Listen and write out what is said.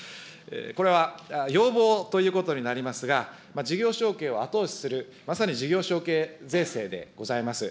これは要望ということになりますが、事業承継を後押しする、まさに事業承継税制でございます。